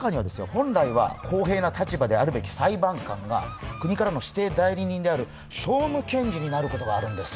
本来は公平な立場であるべき裁判官が国からの指定代理人である訟務検事になることがあるんです